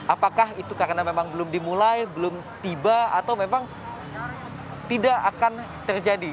apakah itu karena memang belum dimulai belum tiba atau memang tidak akan terjadi